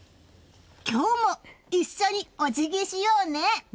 今日も一緒にお辞儀しようね！